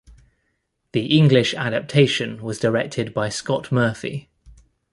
The English adaptation was directed by Scott Murphy.